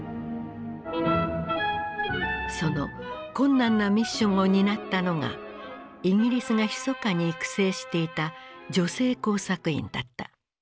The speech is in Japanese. その困難なミッションを担ったのがイギリスがひそかに育成していた女性工作員だった。